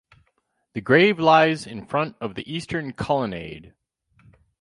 The grave lies in front of the eastern colonnade.